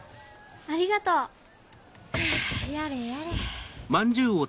ありがとう。